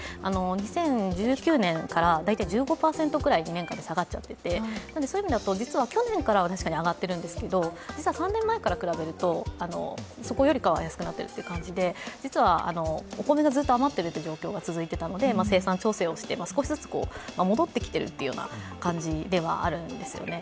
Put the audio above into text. ２０１９年から大体１５％くらい下がってしまっていて、実は去年からは確かに上がっているんですけど実は３年前から比べるとそこよりかは安くなってきているという感じで実はお米がずっと余っている状態が続いたので、生産調整をして少しずつ戻ってきているという感じではあるんですよね。